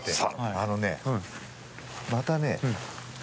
あのねまたね。